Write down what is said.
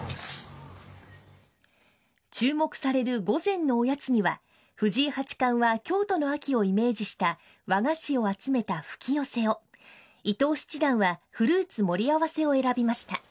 注目される午前のおやつには、藤井八冠は京都の秋をイメージした、和菓子を集めたふきよせを、伊藤七段は、フルーツ盛り合わせを選びました。